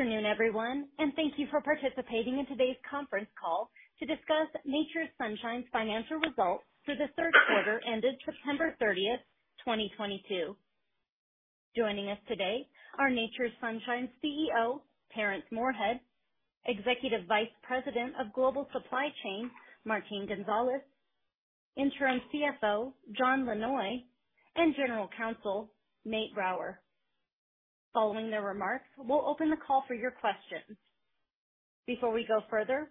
Good afternoon, everyone, and thank you for participating in today's conference call to discuss Nature's Sunshine's financial results for the third quarter ended September 30, 2022. Joining us today are Nature's Sunshine CEO, Terrence Moorehead, Executive Vice President of Global Supply Chain, Martin Gonzalez, Interim CFO, Jonathan LaNoy, and General Counsel, Nate Brower. Following their remarks, we'll open the call for your questions. Before we go further,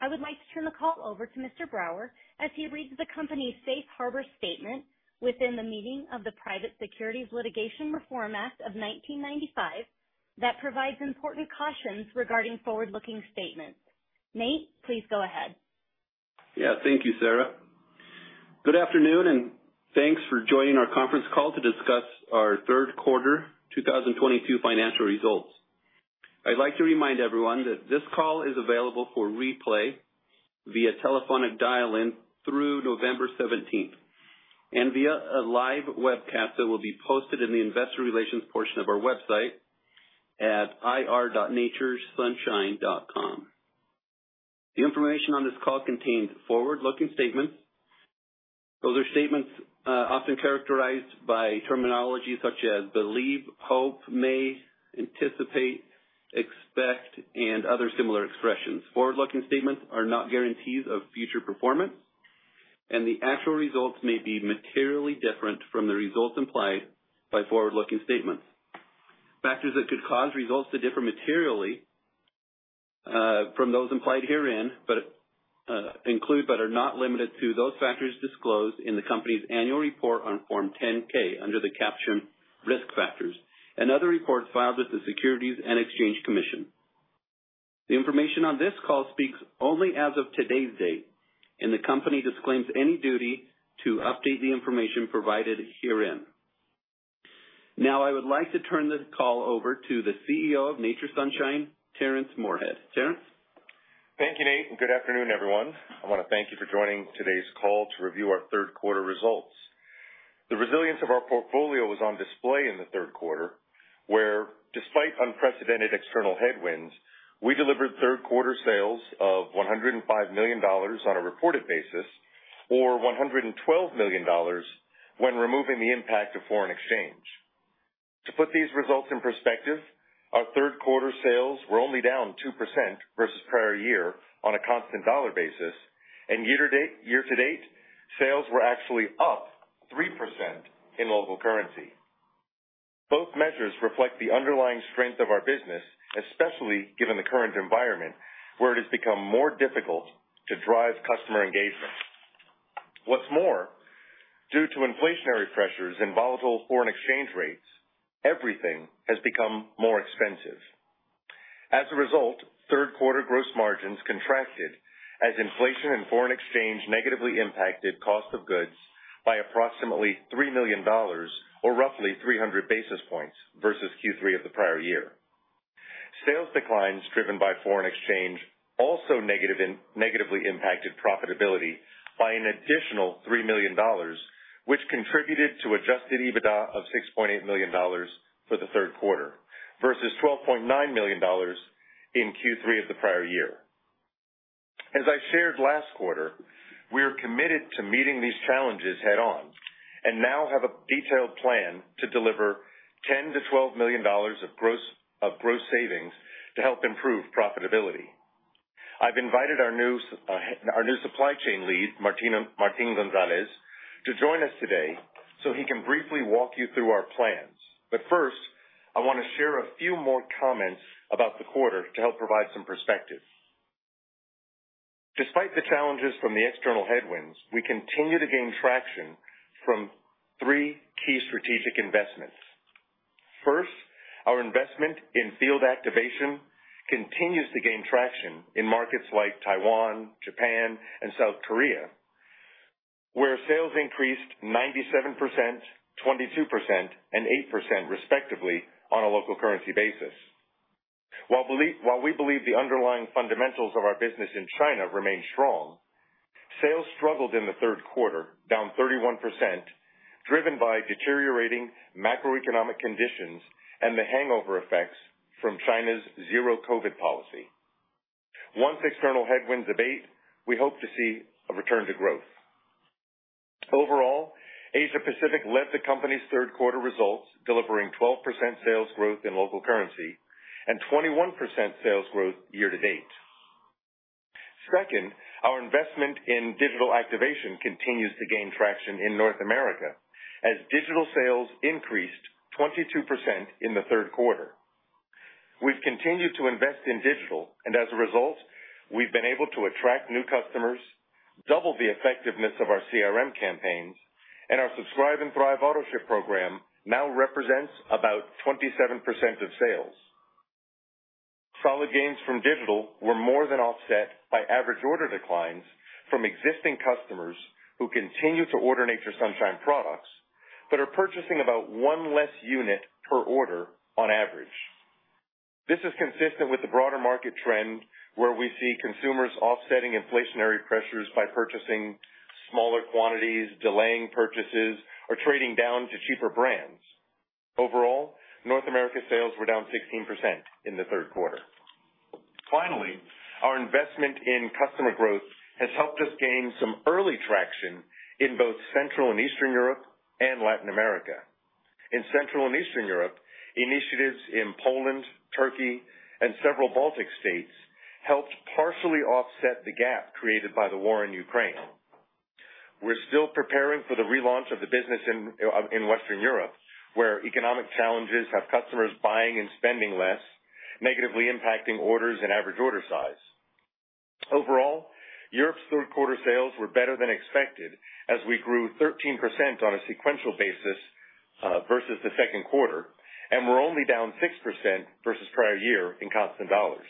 I would like to turn the call over to Mr. Brower as he reads the company's Safe Harbor statement within the meaning of the Private Securities Litigation Reform Act of 1995 that provides important cautions regarding forward-looking statements. Nate, please go ahead. Yeah. Thank you, Sarah. Good afternoon, and thanks for joining our conference call to discuss our third quarter 2022 financial results. I'd like to remind everyone that this call is available for replay via telephonic dial-in through November 17th and via a live webcast that will be posted in the investor relations portion of our website at ir.naturessunshine.com. The information on this call contains forward-looking statements. Those are statements often characterized by terminology such as believe, hope, may, anticipate, expect, and other similar expressions. Forward-looking statements are not guarantees of future performance, and the actual results may be materially different from the results implied by forward-looking statements. Factors that could cause results to differ materially from those implied herein include but are not limited to those factors disclosed in the company's annual report on Form 10-K under the caption Risk Factors and other reports filed with the Securities and Exchange Commission. The information on this call speaks only as of today's date, and the company disclaims any duty to update the information provided herein. Now, I would like to turn this call over to the CEO of Nature's Sunshine, Terrence Moorehead. Terrence. Thank you, Nate, and good afternoon, everyone. I wanna thank you for joining today's call to review our third quarter results. The resilience of our portfolio was on display in the third quarter, where despite unprecedented external headwinds, we delivered third-quarter sales of $105 million on a reported basis or $112 million when removing the impact of foreign exchange. To put these results in perspective, our third-quarter sales were only down 2% versus prior year on a constant dollar basis, and year to date sales were actually up 3% in local currency. Both measures reflect the underlying strength of our business, especially given the current environment where it has become more difficult to drive customer engagement. What's more, due to inflationary pressures and volatile foreign exchange rates, everything has become more expensive. As a result, third-quarter gross margins contracted as inflation and foreign exchange negatively impacted cost of goods by approximately $3 million or roughly 300 basis points versus Q3 of the prior year. Sales declines driven by foreign exchange also negatively impacted profitability by an additional $3 million, which contributed to Adjusted EBITDA of $6.8 million for the third quarter versus $12.9 million in Q3 of the prior year. As I shared last quarter, we are committed to meeting these challenges head on and now have a detailed plan to deliver $10-$12 million of gross savings to help improve profitability. I've invited our new supply chain lead, Martin Gonzalez, to join us today, so he can briefly walk you through our plans. First, I wanna share a few more comments about the quarter to help provide some perspective. Despite the challenges from the external headwinds, we continue to gain traction from three key strategic investments. First, our investment in field activation continues to gain traction in markets like Taiwan, Japan, and South Korea, where sales increased 97%, 22%, and 8%, respectively, on a local currency basis. While we believe the underlying fundamentals of our business in China remain strong, sales struggled in the third quarter, down 31%, driven by deteriorating macroeconomic conditions and the hangover effects from China's Zero-COVID policy. Once external headwinds abate, we hope to see a return to growth. Overall, Asia-Pacific led the company's third-quarter results, delivering 12% sales growth in local currency and 21% sales growth year to date. Second, our investment in digital activation continues to gain traction in North America as digital sales increased 22% in the third quarter. We've continued to invest in digital, and as a result, we've been able to attract new customers, double the effectiveness of our CRM campaigns, and our Subscribe & Thrive autoship program now represents about 27% of sales. Solid gains from digital were more than offset by average order declines from existing customers who continue to order Nature's Sunshine products but are purchasing about one less unit per order on average. This is consistent with the broader market trend, where we see consumers offsetting inflationary pressures by purchasing smaller quantities, delaying purchases, or trading down to cheaper brands. Overall, North America sales were down 16% in the third quarter. Finally, our investment in customer growth has helped us gain some early traction in both Central and Eastern Europe and Latin America. In Central and Eastern Europe, initiatives in Poland, Turkey, and several Baltic states helped partially offset the gap created by the war in Ukraine. We're still preparing for the relaunch of the business in Western Europe, where economic challenges have customers buying and spending less, negatively impacting orders and average order size. Overall, Europe's third quarter sales were better than expected as we grew 13% on a sequential basis versus the second quarter, and we're only down 6% versus prior year in constant dollars.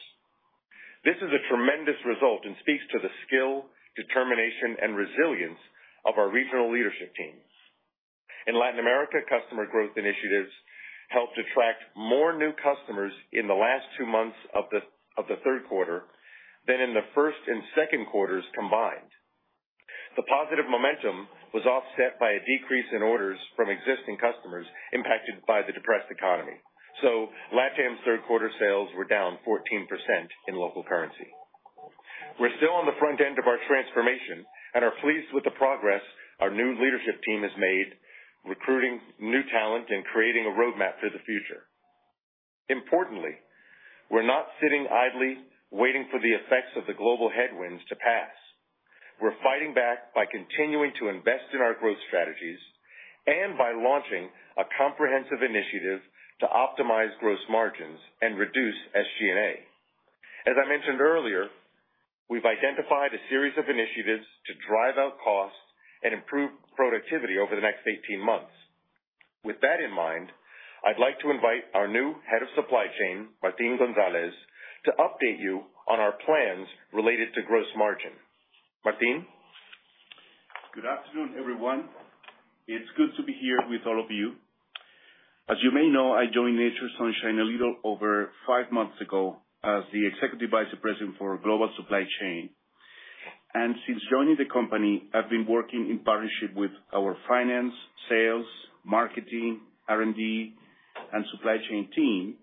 This is a tremendous result and speaks to the skill, determination, and resilience of our regional leadership teams. In Latin America, customer growth initiatives helped attract more new customers in the last two months of the third quarter than in the first and second quarters combined. The positive momentum was offset by a decrease in orders from existing customers impacted by the depressed economy. LatAm third quarter sales were down 14% in local currency. We're still on the front end of our transformation and are pleased with the progress our new leadership team has made, recruiting new talent and creating a roadmap for the future. Importantly, we're not sitting idly waiting for the effects of the global headwinds to pass. We're fighting back by continuing to invest in our growth strategies and by launching a comprehensive initiative to optimize gross margins and reduce SG&A. As I mentioned earlier, we've identified a series of initiatives to drive out costs and improve productivity over the next 18 months. With that in mind, I'd like to invite our new head of supply chain, Martin Gonzalez, to update you on our plans related to gross margin. Martin. Good afternoon, everyone. It's good to be here with all of you. As you may know, I joined Nature's Sunshine a little over five months ago as the Executive Vice President for Global Supply Chain. Since joining the company, I've been working in partnership with our finance, sales, marketing, R&D, and supply chain team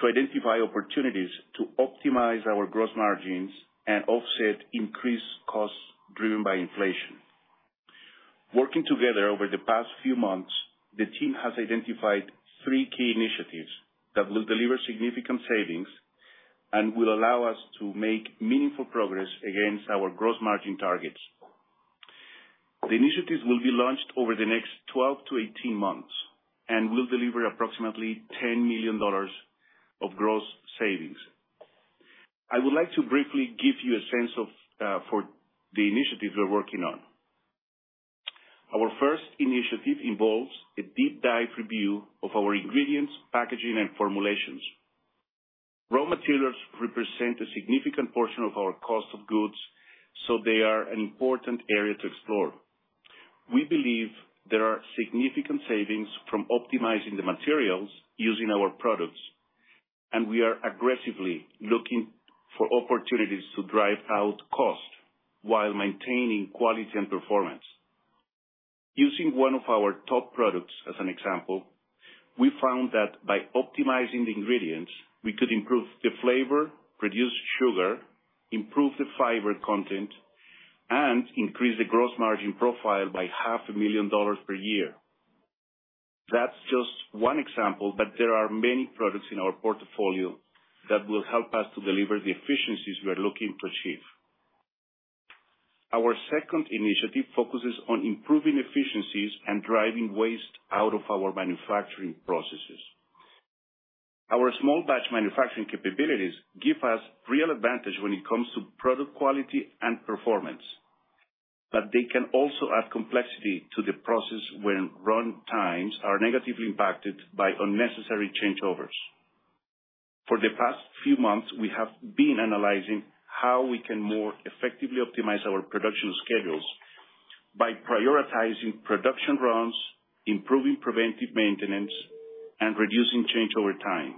to identify opportunities to optimize our gross margins and offset increased costs driven by inflation. Working together over the past few months, the team has identified three key initiatives that will deliver significant savings and will allow us to make meaningful progress against our gross margin targets. The initiatives will be launched over the next 12-18 months and will deliver approximately $10 million of gross savings. I would like to briefly give you a sense of the initiatives we're working on. Our first initiative involves a deep dive review of our ingredients, packaging, and formulations. Raw materials represent a significant portion of our cost of goods, so they are an important area to explore. We believe there are significant savings from optimizing the materials using our products, and we are aggressively looking for opportunities to drive out cost while maintaining quality and performance. Using one of our top products as an example, we found that by optimizing the ingredients, we could improve the flavor, reduce sugar, improve the fiber content, and increase the gross margin profile by half a million dollars per year. That's just one example, but there are many products in our portfolio that will help us to deliver the efficiencies we are looking to achieve. Our second initiative focuses on improving efficiencies and driving waste out of our manufacturing processes. Our small batch manufacturing capabilities give us real advantage when it comes to product quality and performance, but they can also add complexity to the process when run times are negatively impacted by unnecessary changeovers. For the past few months, we have been analyzing how we can more effectively optimize our production schedules by prioritizing production runs, improving preventive maintenance, and reducing changeover time.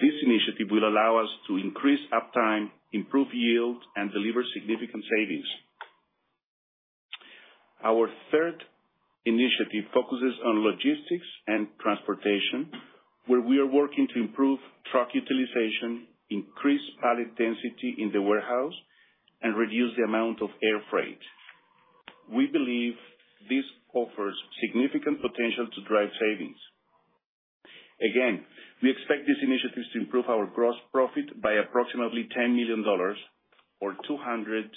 This initiative will allow us to increase uptime, improve yield, and deliver significant savings. Our third initiative focuses on logistics and transportation, where we are working to improve truck utilization, increase pallet density in the warehouse, and reduce the amount of air freight. We believe this offers significant potential to drive savings. Again, we expect these initiatives to improve our gross profit by approximately $10 million or 200-250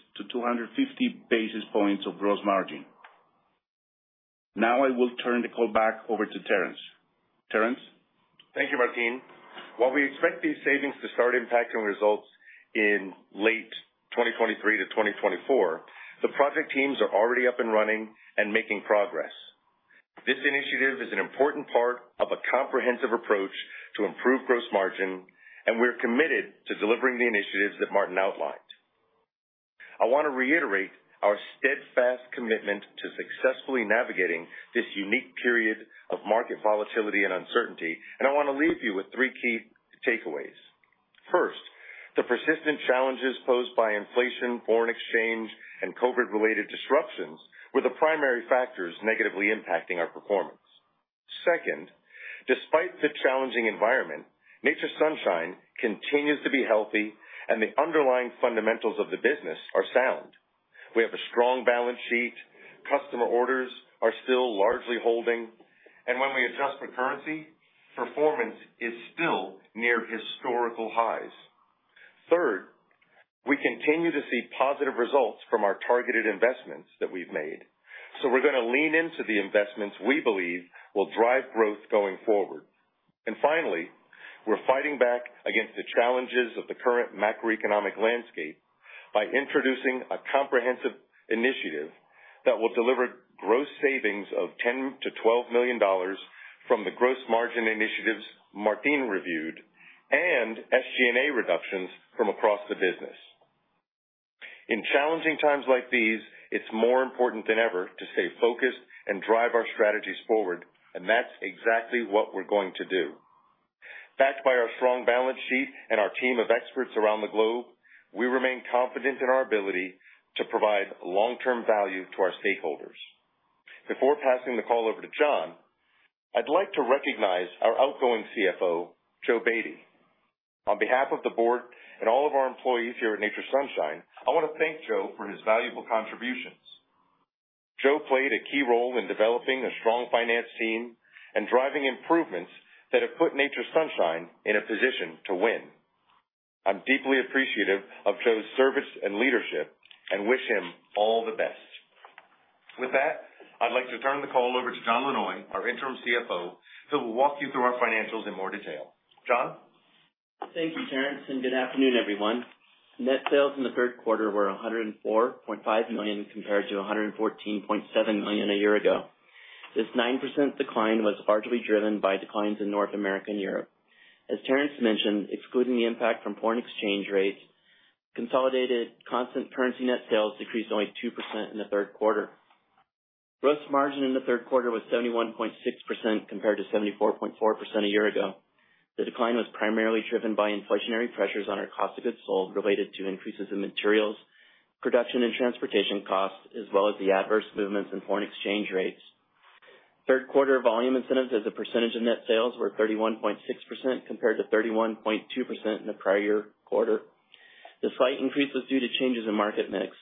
basis points of gross margin. Now I will turn the call back over to Terrence. Terrence. Thank you, Martin. While we expect these savings to start impacting results in late 2023 to 2024, the project teams are already up and running and making progress. This initiative is an important part of a comprehensive approach to improve gross margin, and we're committed to delivering the initiatives that Martin outlined. I wanna reiterate our steadfast commitment to successfully navigating this unique period of market volatility and uncertainty, and I wanna leave you with three key takeaways. First, the persistent challenges posed by inflation, foreign exchange, and COVID related disruptions were the primary factors negatively impacting our performance. Second, despite the challenging environment, Nature's Sunshine continues to be healthy and the underlying fundamentals of the business are sound. We have a strong balance sheet, customer orders are still largely holding, and when we adjust for currency, performance is still near historical highs. Third, we continue to see positive results from our targeted investments that we've made. We're gonna lean into the investments we believe will drive growth going forward. Finally, we're fighting back against the challenges of the current macroeconomic landscape by introducing a comprehensive initiative that will deliver gross savings of $10 million-$12 million from the gross margin initiatives Martin reviewed and SG&A reductions from across the business. In challenging times like these, it's more important than ever to stay focused and drive our strategies forward, and that's exactly what we're going to do. Backed by our strong balance sheet and our team of experts around the globe, we remain confident in our ability to provide long-term value to our stakeholders. Before passing the call over to John, I'd like to recognize our outgoing CFO, Joe Baty. On behalf of the board and all of our employees here at Nature's Sunshine, I wanna thank Joe for his valuable contributions. Joe played a key role in developing a strong finance team and driving improvements that have put Nature's Sunshine in a position to win. I'm deeply appreciative of Joe's service and leadership and wish him all the best. With that, I'd like to turn the call over to John LaNoy, our interim CFO, who will walk you through our financials in more detail. Jon? Thank you, Terrence, and good afternoon, everyone. Net sales in the third quarter were $104.5 million, compared to $114.7 million a year ago. This 9% decline was largely driven by declines in North America and Europe. As Terrence mentioned, excluding the impact from foreign exchange rates, consolidated constant currency net sales decreased only 2% in the third quarter. Gross margin in the third quarter was 71.6%, compared to 74.4% a year ago. The decline was primarily driven by inflationary pressures on our cost of goods sold related to increases in materials, production and transportation costs, as well as the adverse movements in foreign exchange rates. Third quarter volume incentives as a percentage of net sales were 31.6%, compared to 31.2% in the prior year quarter. The slight increase was due to changes in market mix.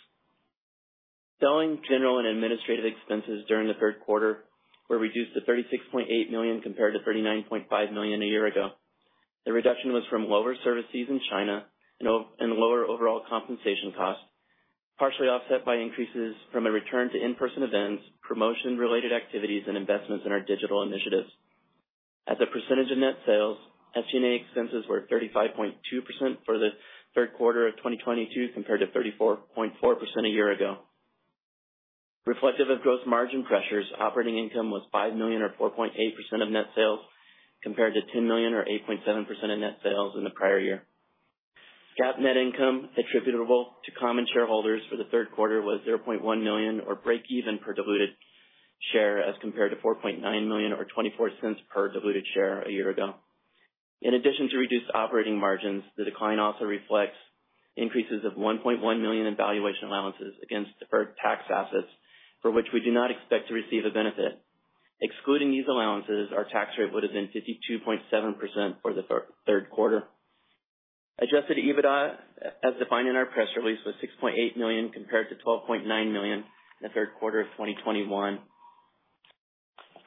Selling, general, and administrative expenses during the third quarter were reduced to $36.8 million, compared to $39.5 million a year ago. The reduction was from lower service fees in China and lower overall compensation costs, partially offset by increases from a return to in-person events, promotion related activities, and investments in our digital initiatives. As a percentage of net sales, SG&A expenses were 35.2% for the third quarter of 2022, compared to 34.4% a year ago. Reflective of gross margin pressures, operating income was $5 million or 4.8% of net sales, compared to $10 million or 8.7% of net sales in the prior year. GAAP net income attributable to common shareholders for the third quarter was $0.1 million or breakeven per diluted share as compared to $4.9 million or $0.24 per diluted share a year ago. In addition to reduced operating margins, the decline also reflects increases of $1.1 million in valuation allowances against deferred tax assets for which we do not expect to receive a benefit. Excluding these allowances, our tax rate would have been 52.7% for the third quarter. Adjusted EBITDA, as defined in our press release, was $6.8 million compared to $12.9 million in the third quarter of 2021.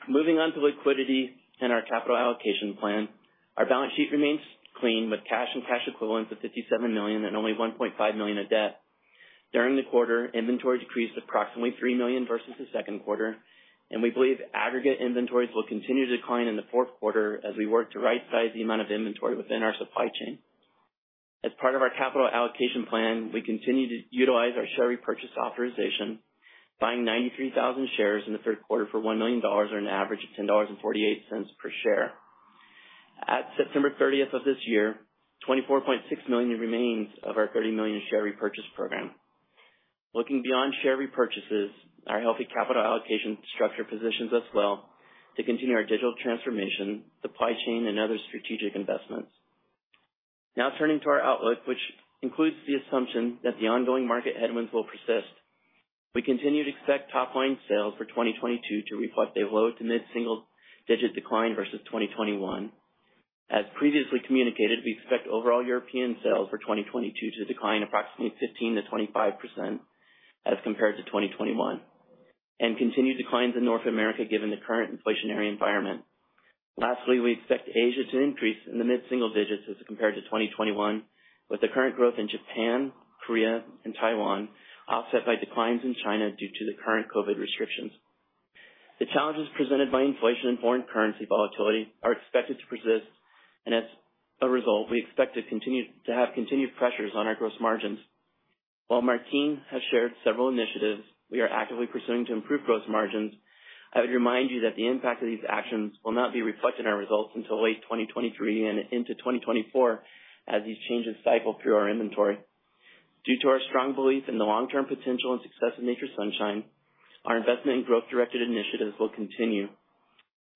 Moving on to liquidity and our capital allocation plan. Our balance sheet remains clean with cash and cash equivalents of $57 million and only $1.5 million of debt. During the quarter, inventory decreased approximately $3 million versus the second quarter, and we believe aggregate inventories will continue to decline in the fourth quarter as we work to right-size the amount of inventory within our supply chain. As part of our capital allocation plan, we continue to utilize our share repurchase authorization, buying 93,000 shares in the third quarter for $1 million or an average of $10.48 per share. At September 30 of this year, 24.6 million remains of our 30 million share repurchase program. Looking beyond share repurchases, our healthy capital allocation structure positions us well to continue our digital transformation, supply chain, and other strategic investments. Now turning to our outlook, which includes the assumption that the ongoing market headwinds will persist. We continue to expect top line sales for 2022 to reflect a low- to mid-single-digit decline versus 2021. As previously communicated, we expect overall European sales for 2022 to decline approximately 15%-25% as compared to 2021, and continued declines in North America given the current inflationary environment. Lastly, we expect Asia to increase in the mid-single digits as compared to 2021, with the current growth in Japan, Korea, and Taiwan offset by declines in China due to the current COVID restrictions. The challenges presented by inflation and foreign currency volatility are expected to persist. As a result, we expect to have continued pressures on our gross margins. While Martin has shared several initiatives we are actively pursuing to improve gross margins, I would remind you that the impact of these actions will not be reflected in our results until late 2023 and into 2024 as these changes cycle through our inventory. Due to our strong belief in the long-term potential and success of Nature's Sunshine, our investment in growth-directed initiatives will continue.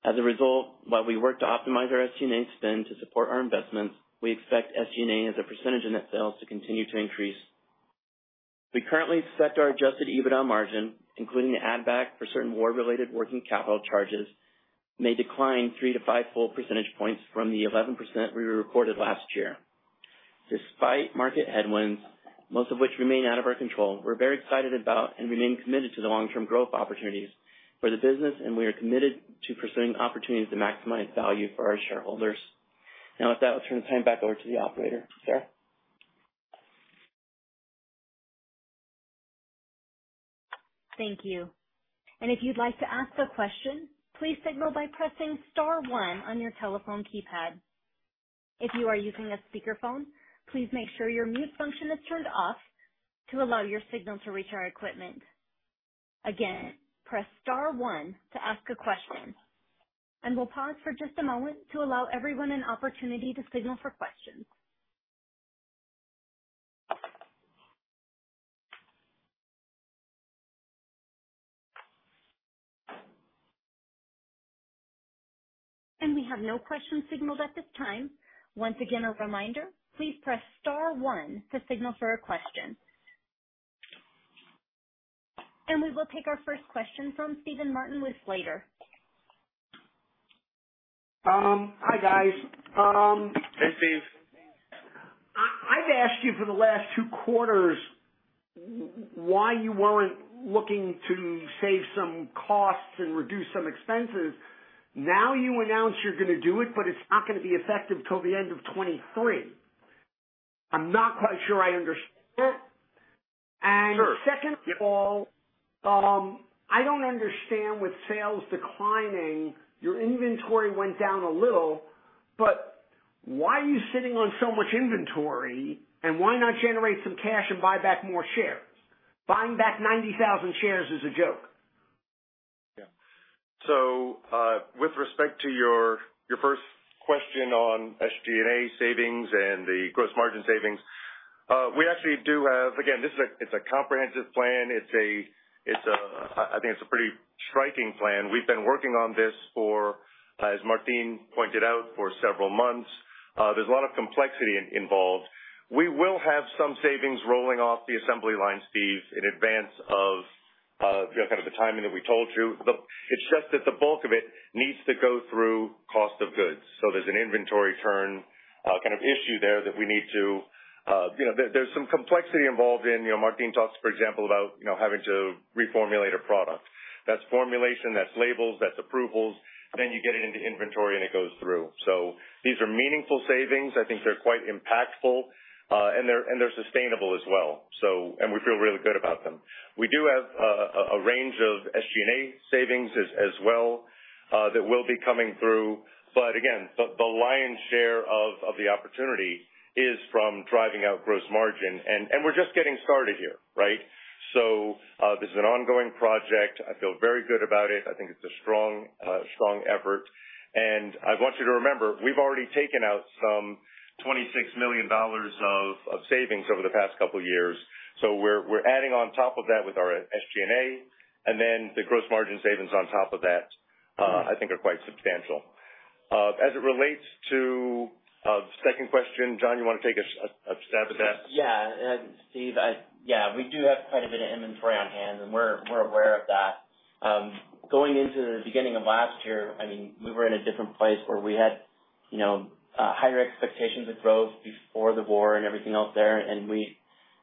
As a result, while we work to optimize our SG&A spend to support our investments, we expect SG&A as a percentage of net sales to continue to increase. We currently expect our Adjusted EBITDA margin, including the add back for certain war-related working capital charges, may decline three to five full percentage points from the 11% we recorded last year. Despite market headwinds, most of which remain out of our control, we're very excited about and remain committed to the long-term growth opportunities for the business, and we are committed to pursuing opportunities to maximize value for our shareholders. Now, with that, I'll turn the time back over to the operator. Sarah? Thank you. If you'd like to ask a question, please signal by pressing Star one on your telephone keypad. If you are using a speakerphone, please make sure your mute function is turned off to allow your signal to reach our equipment. Again, press star one to ask a question. We'll pause for just a moment to allow everyone an opportunity to signal for questions. We have no questions signaled at this time. Once again, a reminder, please press Star one to signal for a question. We will take our first question from Steven Martin with Slater. Hi, guys. Hey, Steve. I've asked you for the last two quarters why you weren't looking to save some costs and reduce some expenses. Now you announce you're gonna do it, but it's not gonna be effective till the end of 2023. I'm not quite sure I understand that. Sure. Second of all, I don't understand, with sales declining, your inventory went down a little, but why are you sitting on so much inventory, and why not generate some cash and buy back more shares? Buying back 90,000 shares is a joke. With respect to your first question on SG&A savings and the gross margin savings, we actually do have. Again, this is a, it's a comprehensive plan. It's a, I think it's a pretty striking plan. We've been working on this for, as Martin pointed out, for several months. There's a lot of complexity involved. We will have some savings rolling off the assembly line, Steve, in advance of, you know, kind of the timing that we told you. It's just that the bulk of it needs to go through cost of goods. There's an inventory turn, kind of issue there that we need to. You know, there's some complexity involved in, you know, Martin talks, for example, about, you know, having to reformulate a product. That's formulation, that's labels, that's approvals, then you get it into inventory, and it goes through. These are meaningful savings. I think they're quite impactful, and they're sustainable as well, and we feel really good about them. We do have a range of SG&A savings as well that will be coming through. Again, the lion's share of the opportunity is from driving out gross margin. We're just getting started here, right? This is an ongoing project. I feel very good about it. I think it's a strong effort. I want you to remember, we've already taken out some $26 million of savings over the past couple years. We're adding on top of that with our SG&A, and then the gross margin savings on top of that, I think are quite substantial. As it relates to the second question, John, you wanna take a stab at that? Yeah. Steven, yeah, we do have quite a bit of inventory on hand, and we're aware of that. Going into the beginning of last year, I mean, we were in a different place where we had, you know, higher expectations of growth before the war and everything else there. We,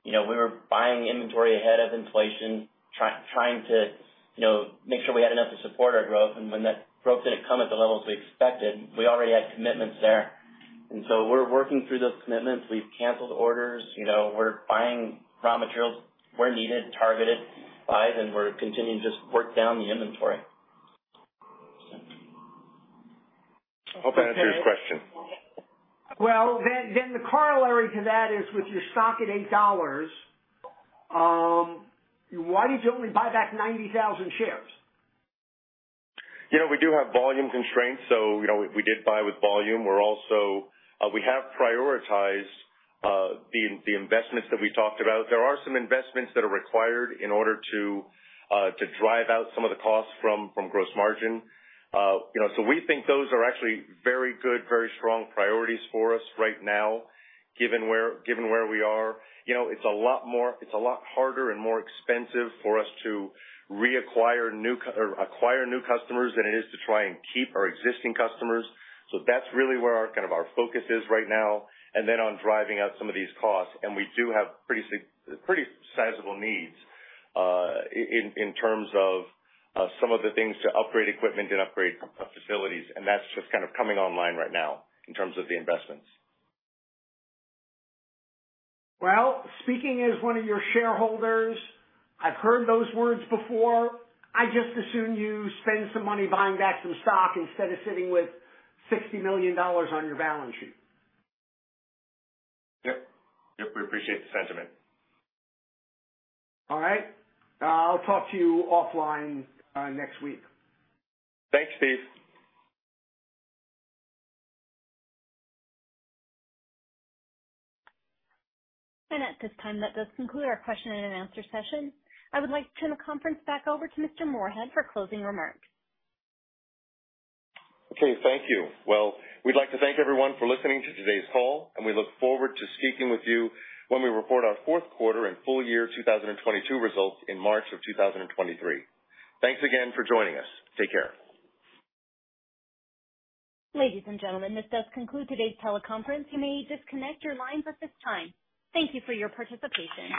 you know, we were buying inventory ahead of inflation, trying to, you know, make sure we had enough to support our growth. When that growth didn't come at the levels we expected, we already had commitments there. We're working through those commitments. We've canceled orders. You know, we're buying raw materials where needed, targeted buys, and we're continuing to just work down the inventory. I hope that answers your question. Well, the corollary to that is, with your stock at $8, why did you only buy back 90,000 shares? You know, we do have volume constraints, so, you know, we did buy with volume. We're also we have prioritized the investments that we talked about. There are some investments that are required in order to to drive out some of the costs from gross margin. You know, so we think those are actually very good, very strong priorities for us right now, given where we are. You know, it's a lot more, it's a lot harder and more expensive for us to reacquire new or acquire new customers than it is to try and keep our existing customers. That's really where our kind of our focus is right now, and then on driving out some of these costs, and we do have pretty sizable needs in terms of some of the things to upgrade equipment and upgrade facilities. That's just kind of coming online right now in terms of the investments. Well, speaking as one of your shareholders, I've heard those words before. I just assume you spend some money buying back some stock instead of sitting with $60 million on your balance sheet. Yep. Yep, we appreciate the sentiment. All right. I'll talk to you offline, next week. Thanks, Steve. At this time, that does conclude our question and answer session. I would like to turn the conference back over to Mr. Moorehead for closing remarks. Okay, thank you. Well, we'd like to thank everyone for listening to today's call, and we look forward to speaking with you when we report our fourth quarter and full year 2022 results in March of 2023. Thanks again for joining us. Take care. Ladies and gentlemen, this does conclude today's teleconference. You may disconnect your lines at this time. Thank you for your participation.